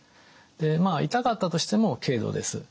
で痛かったとしても軽度です。